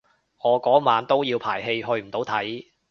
我嗰晚都要排戲去唔到睇